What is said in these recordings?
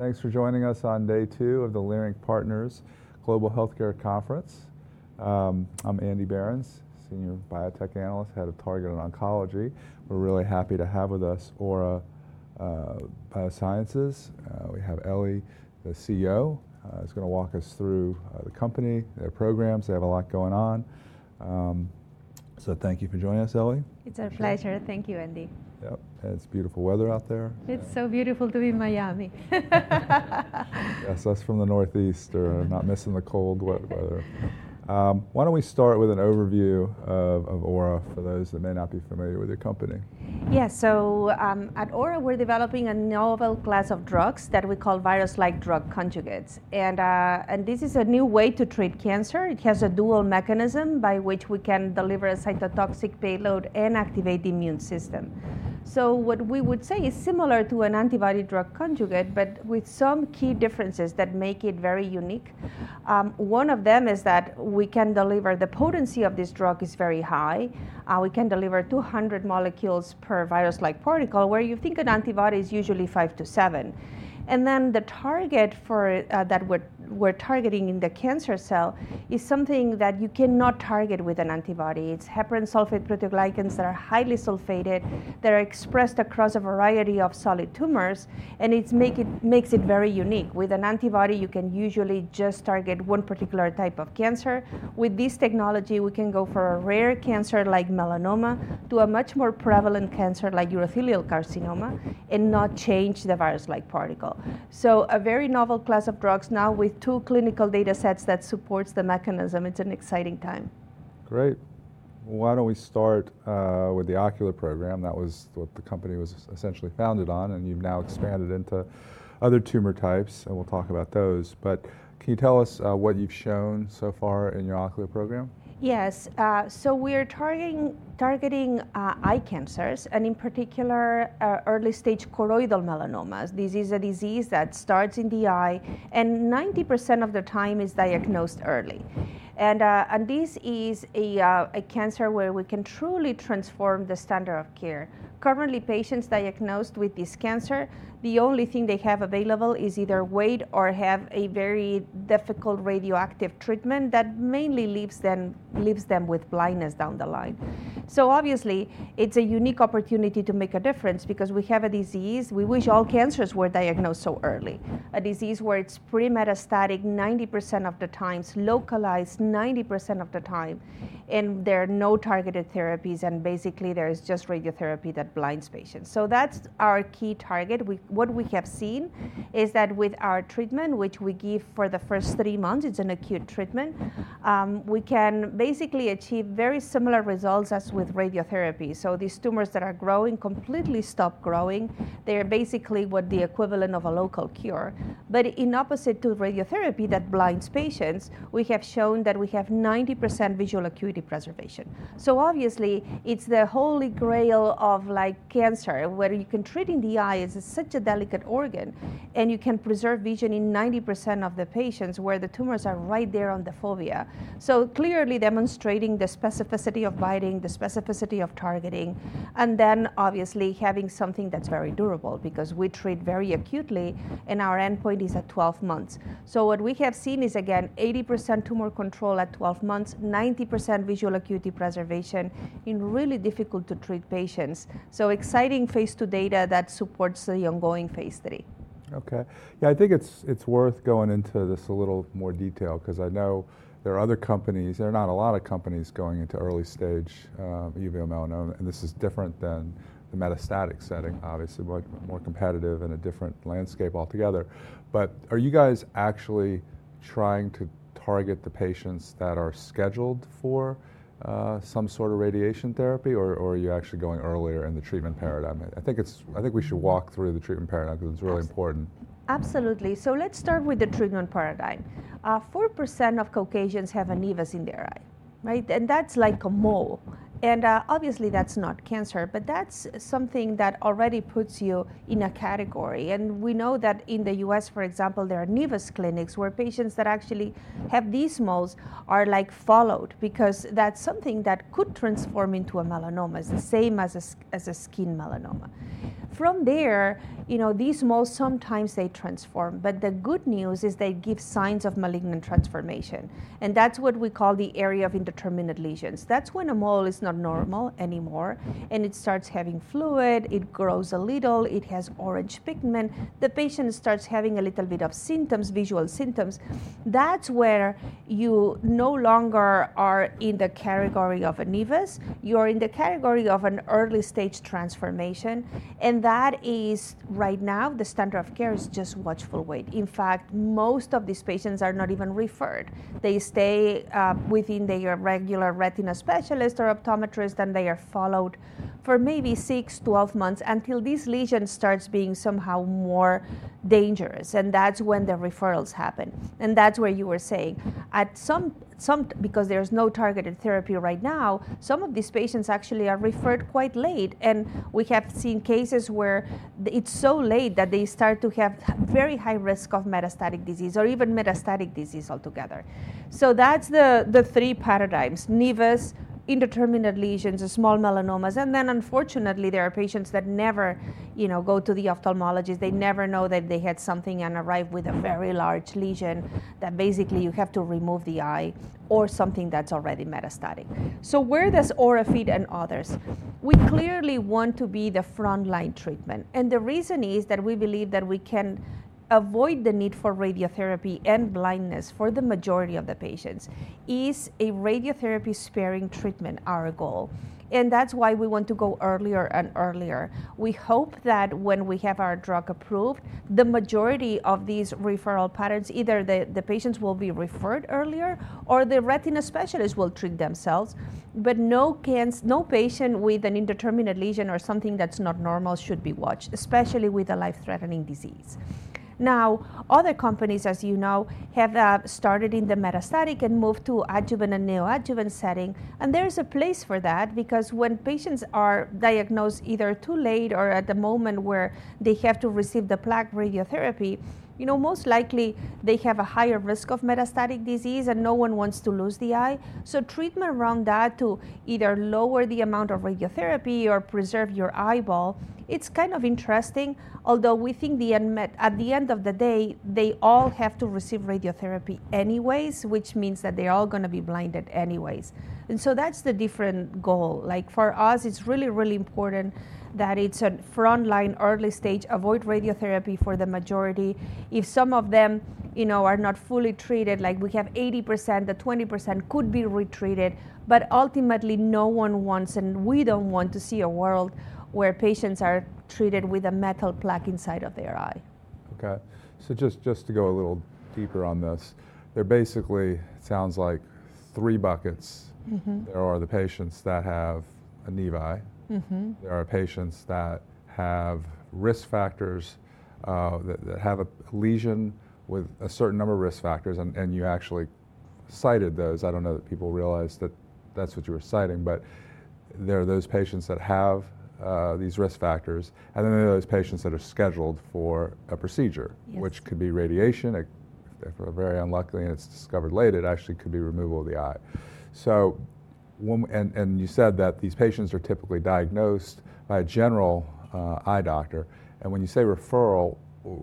Thanks for joining us on day two of the Leerink Partners Global Healthcare Conference. I'm Andy Berens, Senior Biotech Analyst, Head of Targeted and Oncology. We're really happy to have with us Aura Biosciences. We have Eli, the CEO, who's going to walk us through the company, their programs. They have a lot going on. Thank you for joining us, Eli. It's a pleasure. Thank you, Andy. Yep. It's beautiful weather out there. It's so beautiful to be in Miami. Yes, us from the Northeast are not missing the cold wet weather. Why don't we start with an overview of Aura for those that may not be familiar with your company? Yes. At Aura, we're developing a novel class of drugs that we call virus-like drug conjugates. This is a new way to treat cancer. It has a dual mechanism by which we can deliver a cytotoxic payload and activate the immune system. What we would say is similar to an antibody-drug conjugate, but with some key differences that make it very unique. One of them is that the potency of this drug is very high. We can deliver 200 molecules per virus-like particle, where you think an antibody is usually five to seven. The target that we're targeting in the cancer cell is something that you cannot target with an antibody. It's heparan sulfate proteoglycans that are highly sulfated, that are expressed across a variety of solid tumors. It makes it very unique. With an antibody, you can usually just target one particular type of cancer. With this technology, we can go for a rare cancer like melanoma to a much more prevalent cancer like urothelial carcinoma and not change the virus-like particle. It is a very novel class of drugs now with two clinical data sets that supports the mechanism. It's an exciting time. Great. Why don't we start with the ocular program? That was what the company was essentially founded on. You've now expanded into other tumor types. We'll talk about those. Can you tell us what you've shown so far in your ocular program? Yes. We are targeting eye cancers, and in particular, early-stage choroidal melanomas. This is a disease that starts in the eye. 90% of the time it is diagnosed early. This is a cancer where we can truly transform the standard of care. Currently, patients diagnosed with this cancer, the only thing they have available is either wait or have a very difficult radioactive treatment that mainly leaves them with blindness down the line. Obviously, it is a unique opportunity to make a difference because we have a disease we wish all cancers were diagnosed so early, a disease where it is pre-metastatic 90% of the time, localized 90% of the time. There are no targeted therapies. Basically, there is just radiotherapy that blinds patients. That is our key target. What we have seen is that with our treatment, which we give for the first three months, it's an acute treatment, we can basically achieve very similar results as with radiotherapy. These tumors that are growing completely stop growing. They are basically what the equivalent of a local cure. In opposite to radiotherapy that blinds patients, we have shown that we have 90% visual acuity preservation. Obviously, it's the holy grail of cancer, where you can treat in the eye. It's such a delicate organ. You can preserve vision in 90% of the patients where the tumors are right there on the fovea, clearly demonstrating the specificity of binding, the specificity of targeting, and then obviously having something that's very durable because we treat very acutely. Our endpoint is at 12 months. What we have seen is, again, 80% tumor control at 12 months, 90% visual acuity preservation in really difficult-to-treat patients. Exciting phase two data that supports the ongoing phase three. OK. Yeah, I think it's worth going into this in a little more detail because I know there are other companies—there are not a lot of companies going into early-stage uveal melanoma. This is different than the metastatic setting, obviously, but more competitive and a different landscape altogether. Are you guys actually trying to target the patients that are scheduled for some sort of radiation therapy, or are you actually going earlier in the treatment paradigm? I think we should walk through the treatment paradigm because it's really important. Absolutely. Let's start with the treatment paradigm. 4% of Caucasians have a nevus in their eye. That's like a mole. Obviously, that's not cancer, but that's something that already puts you in a category. We know that in the U.S., for example, there are nevus clinics where patients that actually have these moles are followed because that's something that could transform into a melanoma. It's the same as a skin melanoma. From there, these moles sometimes transform. The good news is they give signs of malignant transformation. That's what we call the area of indeterminate lesions. That's when a mole is not normal anymore. It starts having fluid, it grows a little, it has orange pigment, the patient starts having a little bit of symptoms, visual symptoms. That's where you no longer are in the category of a nevus. You are in the category of an early-stage transformation. That is right now the standard of care is just watchful wait. In fact, most of these patients are not even referred. They stay within their regular retina specialist or optometrist. They are followed for maybe six, twelve months until this lesion starts being somehow more dangerous. That is when the referrals happen. That is where you were saying at some--because there is no targeted therapy right now, some of these patients actually are referred quite late. We have seen cases where it is so late that they start to have very high risk of metastatic disease or even metastatic disease altogether. That is the three paradigms: nevus, indeterminate lesions, small melanomas. Unfortunately, there are patients that never go to the ophthalmologist. They never know that they had something and arrive with a very large lesion that basically you have to remove the eye or something that's already metastatic. Where does Aura fit and others? We clearly want to be the front-line treatment. The reason is that we believe that we can avoid the need for radiotherapy and blindness for the majority of the patients. Is a radiotherapy-sparing treatment our goal? That is why we want to go earlier and earlier. We hope that when we have our drug approved, the majority of these referral patterns, either the patients will be referred earlier or the retina specialist will treat themselves. No patient with an indeterminate lesion or something that's not normal should be watched, especially with a life-threatening disease. Now, other companies, as you know, have started in the metastatic and moved to adjuvant and neoadjuvant setting. There is a place for that because when patients are diagnosed either too late or at the moment where they have to receive the plaque radiotherapy, most likely they have a higher risk of metastatic disease. No one wants to lose the eye. Treatment around that to either lower the amount of radiotherapy or preserve your eyeball, it's kind of interesting. Although we think at the end of the day, they all have to receive radiotherapy anyways, which means that they're all going to be blinded anyways. That's the different goal. For us, it's really, really important that it's a front-line early-stage avoid radiotherapy for the majority. If some of them are not fully treated, like we have 80%, the 20% could be retreated. Ultimately, no one wants, and we don't want to see a world where patients are treated with a metal plaque inside of their eye. OK. Just to go a little deeper on this, there basically sounds like three buckets. There are the patients that have a nevi. There are patients that have risk factors that have a lesion with a certain number of risk factors. You actually cited those. I do not know that people realize that that is what you were citing. There are those patients that have these risk factors. Then there are those patients that are scheduled for a procedure, which could be radiation. If they are very unlucky and it is discovered late, it actually could be removal of the eye. You said that these patients are typically diagnosed by a general eye doctor. When you say referral,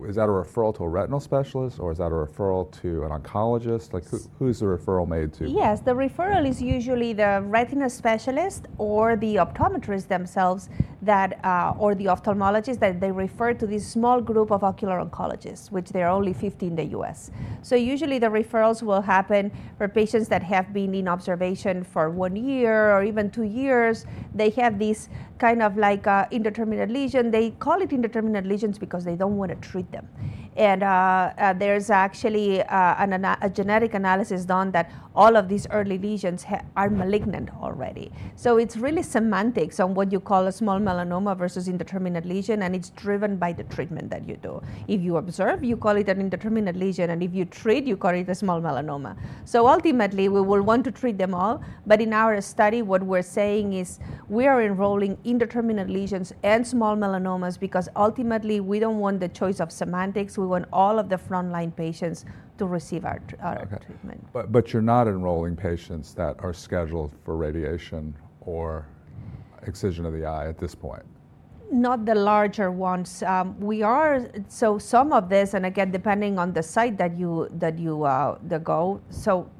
is that a referral to a retinal specialist? Or is that a referral to an oncologist? Who is the referral made to? Yes. The referral is usually the retina specialist or the optometrists themselves or the ophthalmologist that they refer to this small group of ocular oncologists, which there are only 50 in the U.S. Usually, the referrals will happen for patients that have been in observation for one year or even two years. They have this kind of like indeterminate lesion. They call it indeterminate lesions because they do not want to treat them. There is actually a genetic analysis done that all of these early lesions are malignant already. It is really semantics on what you call a small melanoma versus indeterminate lesion. It is driven by the treatment that you do. If you observe, you call it an indeterminate lesion. If you treat, you call it a small melanoma. Ultimately, we will want to treat them all. In our study, what we're saying is we are enrolling indeterminate lesions and small melanomas because ultimately, we don't want the choice of semantics. We want all of the front-line patients to receive our treatment. You're not enrolling patients that are scheduled for radiation or excision of the eye at this point? Not the larger ones. Some of this, and again, depending on the site that you go,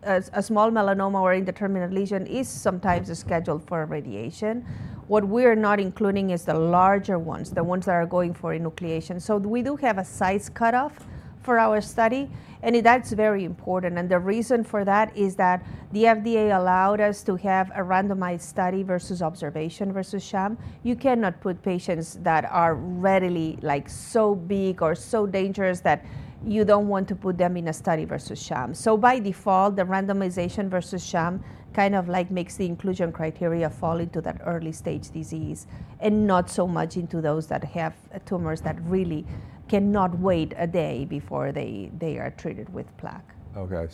a small melanoma or indeterminate lesion is sometimes scheduled for radiation. What we are not including is the larger ones, the ones that are going for enucleation. We do have a size cutoff for our study. That is very important. The reason for that is that the FDA allowed us to have a randomized study versus observation versus sham. You cannot put patients that are readily so big or so dangerous that you do not want to put them in a study versus sham. By default, the randomization versus sham kind of makes the inclusion criteria fall into that early-stage disease and not so much into those that have tumors that really cannot wait a day before they are treated with plaque. OK.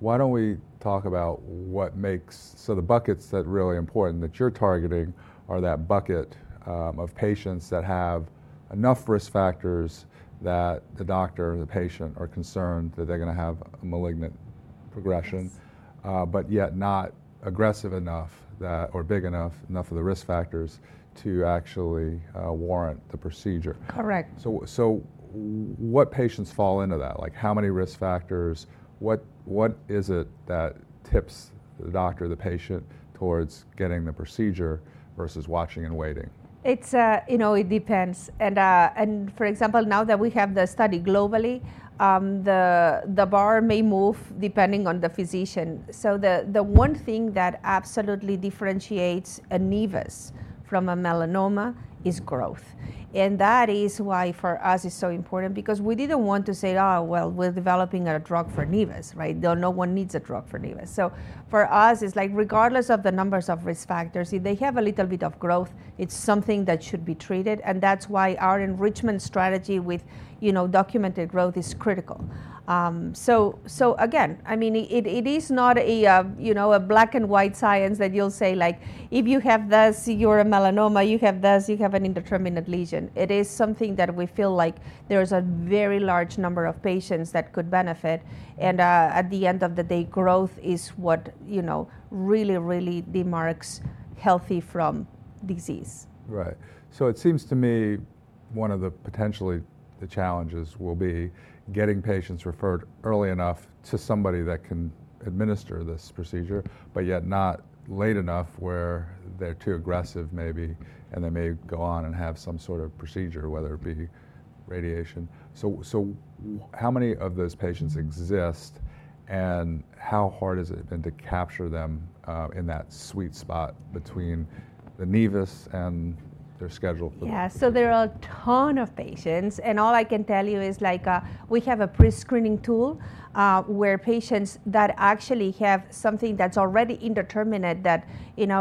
Why don't we talk about what makes the buckets that are really important that you're targeting? That bucket of patients that have enough risk factors that the doctor or the patient are concerned that they're going to have a malignant progression, but yet not aggressive enough or big enough, enough of the risk factors to actually warrant the procedure. Correct. What patients fall into that? How many risk factors? What is it that tips the doctor or the patient towards getting the procedure versus watching and waiting? It depends. For example, now that we have the study globally, the bar may move depending on the physician. The one thing that absolutely differentiates a nevus from a melanoma is growth. That is why for us it's so important because we didn't want to say, oh, we're developing a drug for nevus. No one needs a drug for nevus. For us, it's like regardless of the numbers of risk factors, if they have a little bit of growth, it's something that should be treated. That's why our enrichment strategy with documented growth is critical. I mean, it is not a black and white science that you'll say, like if you have this, you're a melanoma. You have this. You have an indeterminate lesion. It is something that we feel like there is a very large number of patients that could benefit. At the end of the day, growth is what really, really demarks healthy from disease. Right. It seems to me one of the potentially the challenges will be getting patients referred early enough to somebody that can administer this procedure, but yet not late enough where they're too aggressive maybe. They may go on and have some sort of procedure, whether it be radiation. How many of those patients exist? How hard has it been to capture them in that sweet spot between the nevus and their schedule for? Yeah. There are a ton of patients. All I can tell you is we have a pre-screening tool where patients that actually have something that's already indeterminate, that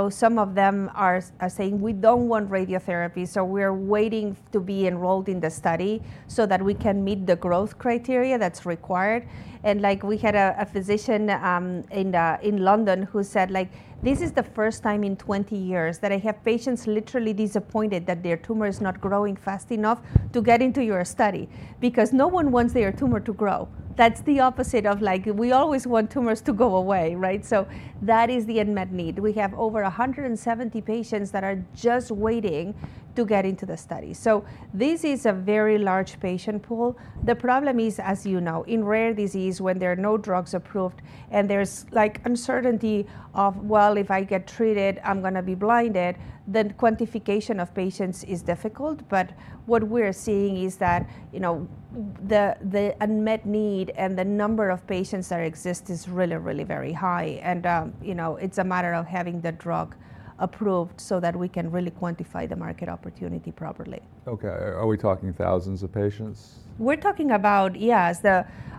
some of them are saying, we don't want radiotherapy. We are waiting to be enrolled in the study so that we can meet the growth criteria that's required. We had a physician in London who said this is the first time in 20 years that I have patients literally disappointed that their tumor is not growing fast enough to get into your study because no one wants their tumor to grow. That's the opposite of we always want tumors to go away. That is the unmet need. We have over 170 patients that are just waiting to get into the study. This is a very large patient pool. The problem is, as you know, in rare disease when there are no drugs approved and there's uncertainty of, well, if I get treated, I'm going to be blinded, the quantification of patients is difficult. What we're seeing is that the unmet need and the number of patients that exist is really, really very high. It's a matter of having the drug approved so that we can really quantify the market opportunity properly. OK. Are we talking thousands of patients? We're talking about, yes.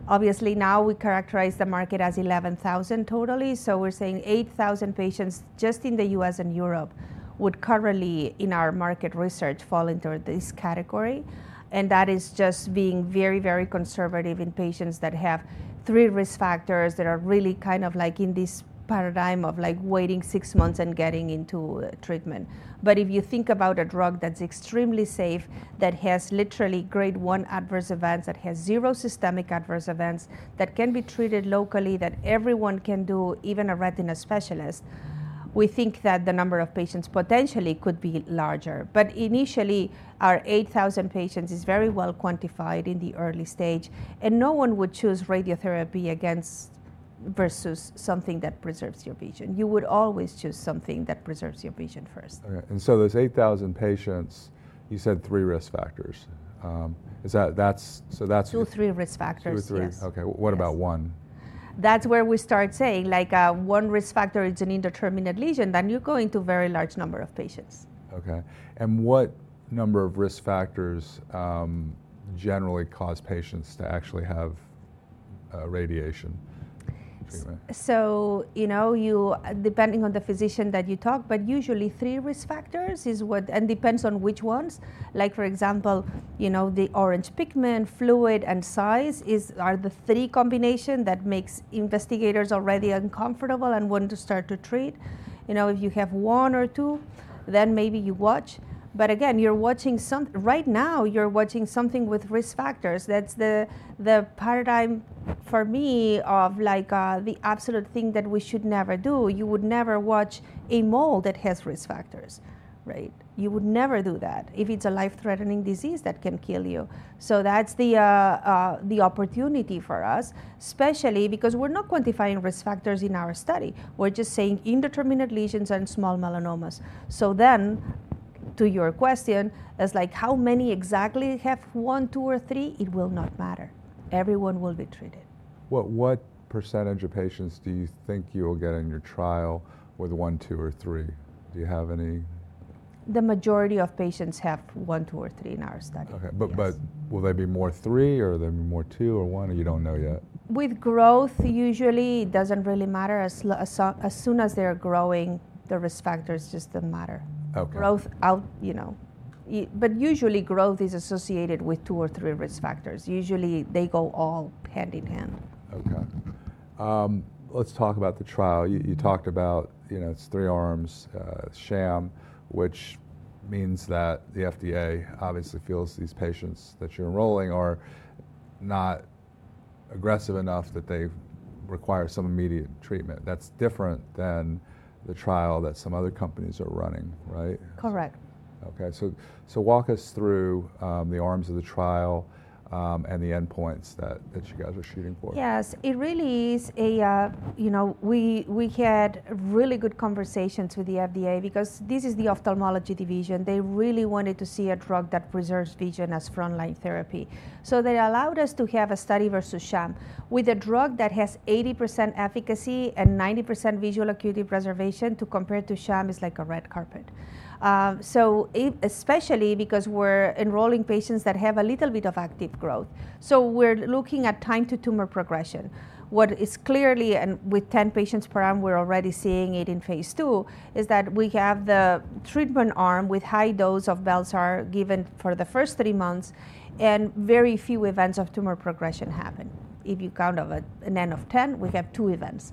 Obviously, now we characterize the market as 11,000 totally. We're saying 8,000 patients just in the U.S. and Europe would currently in our market research fall into this category. That is just being very, very conservative in patients that have three risk factors that are really kind of like in this paradigm of waiting six months and getting into treatment. If you think about a drug that's extremely safe, that has literally Grade 1 adverse events, that has zero systemic adverse events, that can be treated locally, that everyone can do, even a retina specialist, we think that the number of patients potentially could be larger. Initially, our 8,000 patients is very well quantified in the early stage. No one would choose radiotherapy versus something that preserves your vision. You would always choose something that preserves your vision first. Those 8,000 patients, you said three risk factors. So that's. Two, three risk factors. Two, three. OK. What about one? That's where we start saying one risk factor is an indeterminate lesion. Then you go into a very large number of patients. OK. What number of risk factors generally cause patients to actually have radiation treatment? Depending on the physician that you talk, but usually three risk factors is what and depends on which ones. Like for example, the orange pigment, fluid, and size are the three combination that makes investigators already uncomfortable and want to start to treat. If you have one or two, then maybe you watch. Again, you're watching right now, you're watching something with risk factors. That's the paradigm for me of the absolute thing that we should never do. You would never watch a mole that has risk factors. You would never do that if it's a life-threatening disease that can kill you. That's the opportunity for us, especially because we're not quantifying risk factors in our study. We're just saying indeterminate lesions and small melanomas. To your question, it's like how many exactly have one, two, or three? It will not matter. Everyone will be treated. What percentage of patients do you think you will get in your trial with one, two, or three? Do you have any? The majority of patients have one, two, or three in our study. OK. Will there be more three? Or there'll be more two or one? You don't know yet. With growth, usually it doesn't really matter. As soon as they're growing, the risk factors just don't matter. Usually, growth is associated with two or three risk factors. Usually, they go all hand in hand. OK. Let's talk about the trial. You talked about it's three arms, sham, which means that the FDA obviously feels these patients that you're enrolling are not aggressive enough that they require some immediate treatment. That's different than the trial that some other companies are running, right? Correct. OK. Walk us through the arms of the trial and the endpoints that you guys are shooting for. Yes. It really is a we had really good conversations with the FDA because this is the ophthalmology division. They really wanted to see a drug that preserves vision as front-line therapy. They allowed us to have a study versus sham. With a drug that has 80% efficacy and 90% visual acuity preservation to compare to sham is like a red carpet. Especially because we're enrolling patients that have a little bit of active growth. We are looking at time to tumor progression. What is clearly, and with 10 patients per arm, we're already seeing it in phase two, is that we have the treatment arm with high dose of bel-sar given for the first three months. Very few events of tumor progression happen. If you count of an N of 10, we have two events.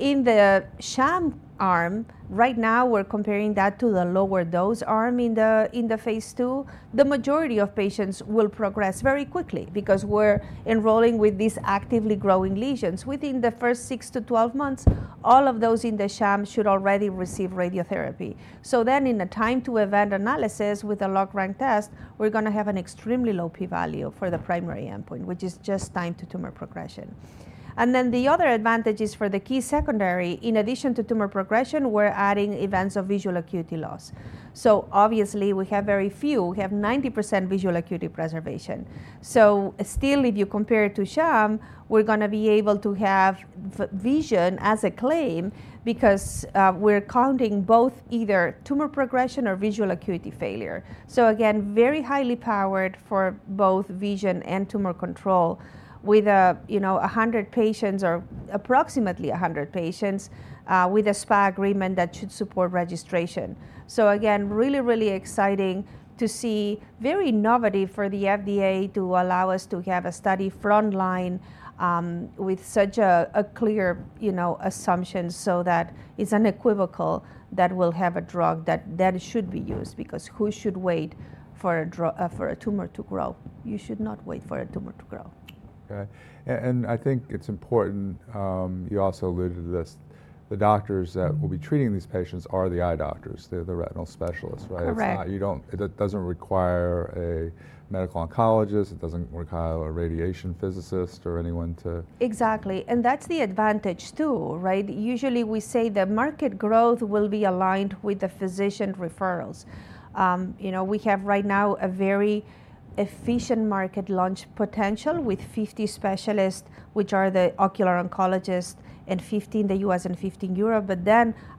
In the sham arm, right now, we're comparing that to the lower dose arm in the phase II. The majority of patients will progress very quickly because we're enrolling with these actively growing lesions. Within the first 6-12 months, all of those in the sham should already receive radiotherapy. In a time to event analysis with a log rank test, we're going to have an extremely low p-value for the primary endpoint, which is just time to tumor progression. The other advantage is for the key secondary, in addition to tumor progression, we're adding events of visual acuity loss. Obviously, we have very few. We have 90% visual acuity preservation. Still, if you compare it to sham, we're going to be able to have vision as a claim because we're counting both either tumor progression or visual acuity failure. Again, very highly powered for both vision and tumor control with 100 patients or approximately 100 patients with a SPA agreement that should support registration. Again, really, really exciting to see, very innovative for the FDA to allow us to have a study front line with such a clear assumption so that it's unequivocal that we'll have a drug that should be used because who should wait for a tumor to grow? You should not wait for a tumor to grow. OK. I think it's important you also alluded to this. The doctors that will be treating these patients are the eye doctors. They're the retinal specialists, right? Correct. It doesn't require a medical oncologist. It doesn't require a radiation physicist or anyone to. Exactly. That is the advantage too, right? Usually, we say the market growth will be aligned with the physician referrals. We have right now a very efficient market launch potential with 50 specialists, which are the ocular oncologists, and 15 in the U.S. and 15 in Europe.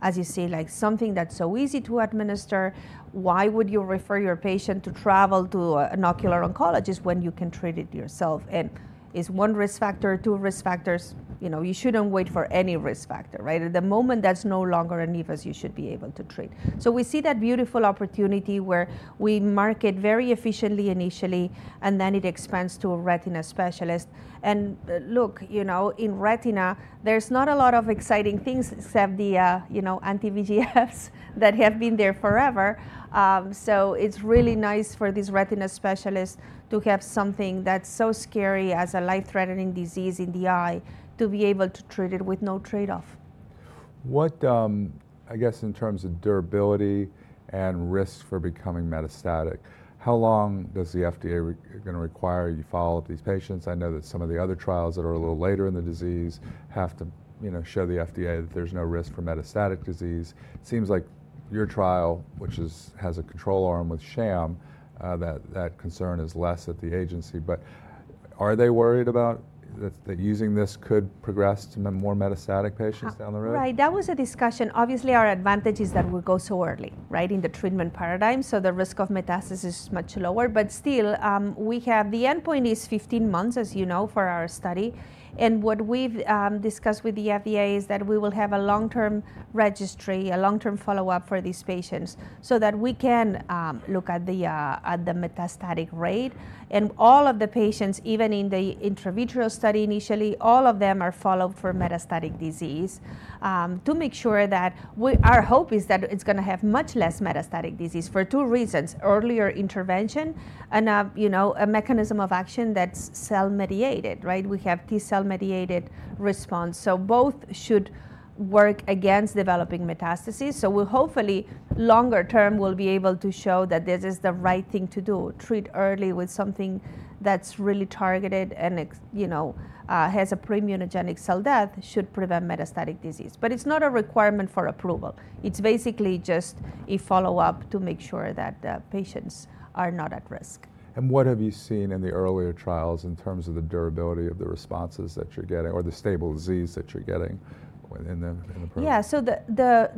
As you see, something that is so easy to administer, why would you refer your patient to travel to an ocular oncologist when you can treat it yourself? It is one risk factor, two risk factors. You should not wait for any risk factor, right? At the moment that is no longer a nevus, you should be able to treat. We see that beautiful opportunity where we market very efficiently initially. It expands to a retina specialist. In retina, there is not a lot of exciting things except the anti-VEGFs that have been there forever. It's really nice for these retina specialists to have something that's so scary as a life-threatening disease in the eye to be able to treat it with no trade-off. I guess in terms of durability and risk for becoming metastatic, how long is the FDA going to require you follow up these patients? I know that some of the other trials that are a little later in the disease have to show the FDA that there's no risk for metastatic disease. It seems like your trial, which has a control arm with sham, that concern is less at the agency. Are they worried about that, using this could progress to more metastatic patients down the road? Right. That was a discussion. Obviously, our advantage is that we'll go so early in the treatment paradigm. The risk of metastasis is much lower. Still, we have the endpoint is 15 months, as you know, for our study. What we've discussed with the FDA is that we will have a long-term registry, a long-term follow-up for these patients so that we can look at the metastatic rate. All of the patients, even in the intravitreal study initially, all of them are followed for metastatic disease to make sure that our hope is that it's going to have much less metastatic disease for two reasons: earlier intervention and a mechanism of action that's cell mediated. We have T-cell mediated response. Both should work against developing metastasis. Hopefully, longer-term, we'll be able to show that this is the right thing to do, treat early with something that's really targeted and has a pre-immunogenic cell death, should prevent metastatic disease. It is not a requirement for approval. It is basically just a follow-up to make sure that the patients are not at risk. What have you seen in the earlier trials in terms of the durability of the responses that you're getting or the stable disease that you're getting in the program? Yeah.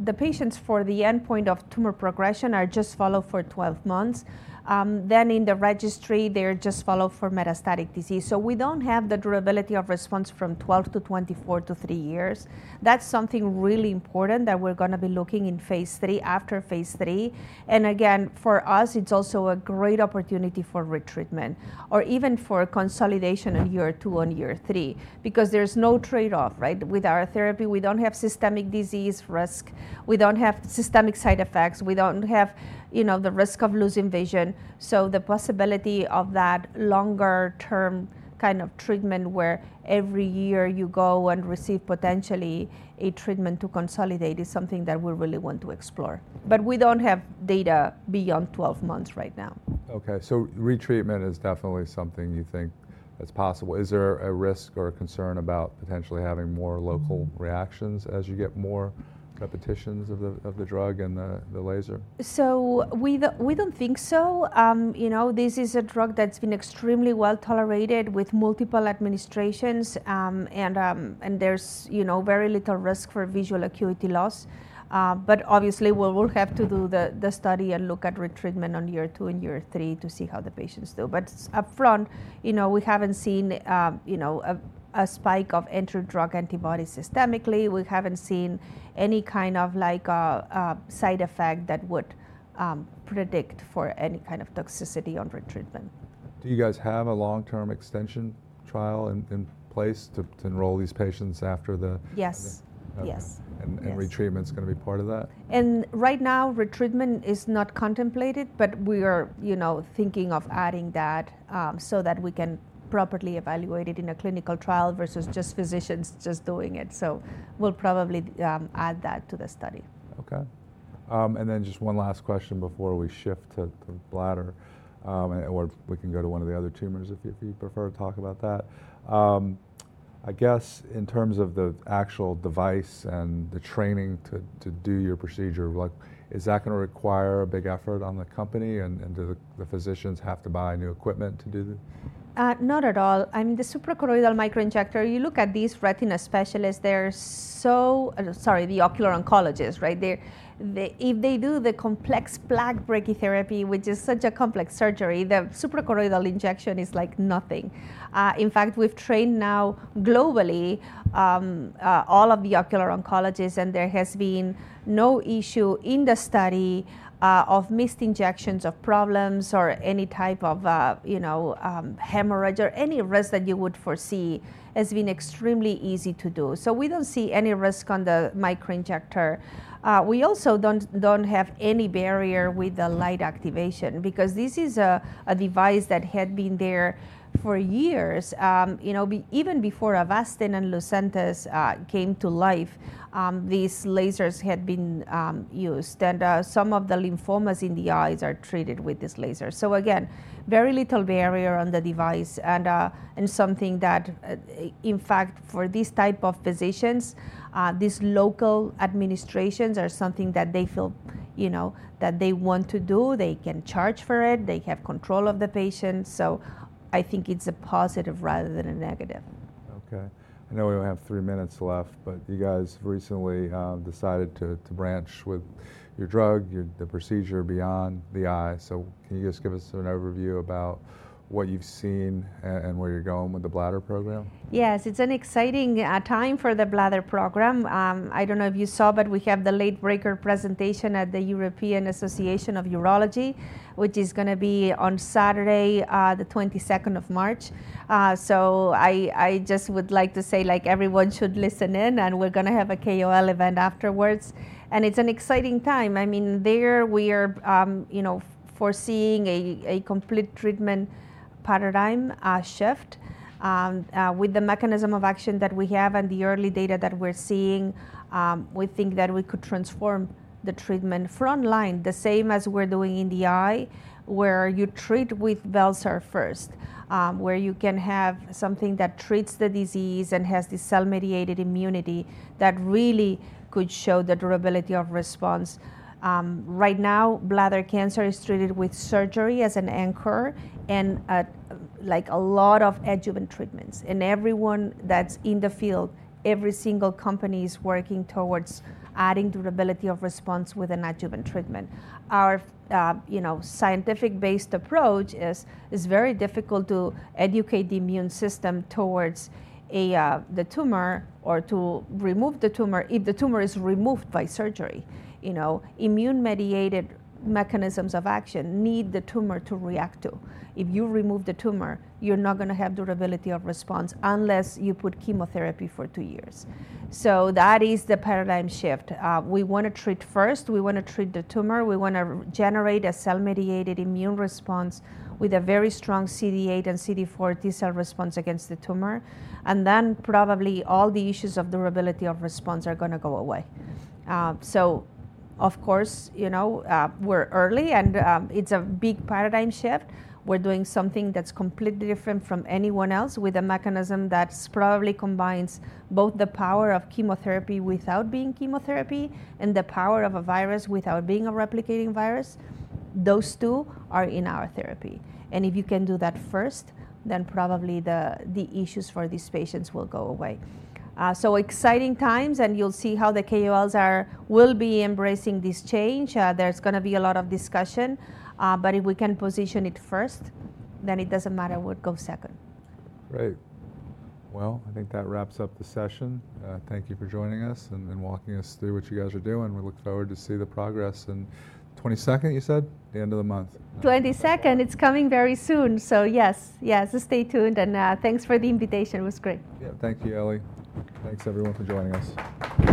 The patients for the endpoint of tumor progression are just followed for 12 months. In the registry, they're just followed for metastatic disease. We don't have the durability of response from 12-24 to three years. That's something really important that we're going to be looking at in phase III, after phase III. Again, for us, it's also a great opportunity for retreatment or even for consolidation in year two and year three because there's no trade-off with our therapy. We don't have systemic disease risk. We don't have systemic side effects. We don't have the risk of losing vision. The possibility of that longer-term kind of treatment where every year you go and receive potentially a treatment to consolidate is something that we really want to explore. We don't have data beyond 12 months right now. OK. Retreatment is definitely something you think that's possible. Is there a risk or concern about potentially having more local reactions as you get more repetitions of the drug and the laser? We do not think so. This is a drug that has been extremely well tolerated with multiple administrations. There is very little risk for visual acuity loss. Obviously, we will have to do the study and look at retreatment in year two and year three to see how the patients do. Upfront, we have not seen a spike of anti-drug antibodies systemically. We have not seen any kind of side effect that would predict for any kind of toxicity on retreatment. Do you guys have a long-term extension trial in place to enroll these patients after the. Yes. Retreatment is going to be part of that? Right now, retreatment is not contemplated. We are thinking of adding that so that we can properly evaluate it in a clinical trial versus just physicians just doing it. We'll probably add that to the study. OK. Just one last question before we shift to the bladder. We can go to one of the other tumors if you prefer to talk about that. I guess in terms of the actual device and the training to do your procedure, is that going to require a big effort on the company? Do the physicians have to buy new equipment to do the procedure? Not at all. I mean, the suprachoroidal microinjector, you look at these retina specialists, they're so, sorry, the ocular oncologists, right? If they do the complex plaque brachytherapy, which is such a complex surgery, the suprachoroidal injection is like nothing. In fact, we've trained now globally all of the ocular oncologists. There has been no issue in the study of missed injections, of problems, or any type of hemorrhage, or any risk that you would foresee. It has been extremely easy to do. We don't see any risk on the microinjector. We also don't have any barrier with the light activation because this is a device that had been there for years. Even before Avastin and Lucentis came to life, these lasers had been used. Some of the lymphomas in the eyes are treated with this laser. Very little barrier on the device. Something that, in fact, for this type of physicians, these local administrations are something that they feel that they want to do. They can charge for it. They have control of the patient. I think it's a positive rather than a negative. OK. I know we only have three minutes left. You guys recently decided to branch with your drug, the procedure beyond the eye. Can you just give us an overview about what you've seen and where you're going with the bladder program? Yes. It's an exciting time for the bladder program. I don't know if you saw, but we have the late breaker presentation at the European Association of Urology, which is going to be on Saturday, the 22nd of March. I just would like to say everyone should listen in. We're going to have a KOL event afterwards. It's an exciting time. I mean, there we are foreseeing a complete treatment paradigm shift. With the mechanism of action that we have and the early data that we're seeing, we think that we could transform the treatment front line the same as we're doing in the eye, where you treat with bel-sar first, where you can have something that treats the disease and has the cell mediated immunity that really could show the durability of response. Right now, bladder cancer is treated with surgery as an anchor and a lot of adjuvant treatments. Everyone that's in the field, every single company is working towards adding durability of response with an adjuvant treatment. Our scientific-based approach is very difficult to educate the immune system towards the tumor or to remove the tumor if the tumor is removed by surgery. Immune mediated mechanisms of action need the tumor to react to. If you remove the tumor, you're not going to have durability of response unless you put chemotherapy for two years. That is the paradigm shift. We want to treat first. We want to treat the tumor. We want to generate a cell mediated immune response with a very strong CD8 and CD4 T-cell response against the tumor. Probably all the issues of durability of response are going to go away. Of course, we're early. It's a big paradigm shift. We're doing something that's completely different from anyone else with a mechanism that probably combines both the power of chemotherapy without being chemotherapy and the power of a virus without being a replicating virus. Those two are in our therapy. If you can do that first, then probably the issues for these patients will go away. Exciting times. You'll see how the KOLs will be embracing this change. There's going to be a lot of discussion. If we can position it first, then it doesn't matter what goes second. Great. I think that wraps up the session. Thank you for joining us and walking us through what you guys are doing. We look forward to see the progress in 22nd, you said? The end of the month. 22nd. It's coming very soon. Yes, yes. Stay tuned. Thanks for the invitation. It was great. Yeah. Thank you, Eli. Thanks, everyone, for joining us.